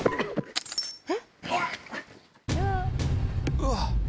うわっ！